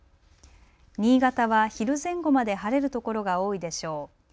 新潟は昼前後まで晴れるところが多いでしょう。